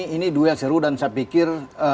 ini dua seru dan saya pikir